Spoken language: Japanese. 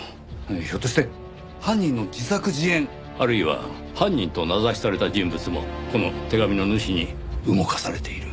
ひょっとして犯人の自作自演？あるいは犯人と名指しされた人物もこの手紙の主に動かされている。